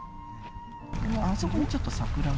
あそこにちょっと、桜が。